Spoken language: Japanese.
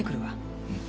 うん。